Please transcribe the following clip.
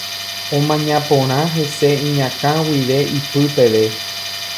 Omaña porã hese iñakã guive ipy peve.